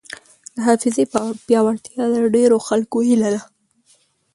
د حافظې پیاوړتیا د ډېرو خلکو هیله ده.